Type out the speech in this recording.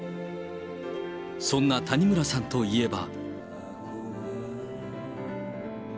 そんな谷村さんといえば。